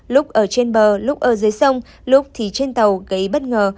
lúc ở trên bờ lúc ở dưới sông lúc thì trên tàu gây bất ngờ